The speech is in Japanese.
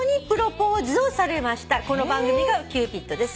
「この番組がキューピッドです」